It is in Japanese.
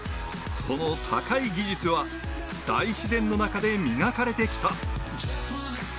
その高い技術は、大自然の中で磨かれてきた。